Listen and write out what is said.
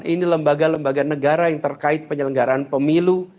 ini lembaga lembaga negara yang terkait penyelenggaraan pemilu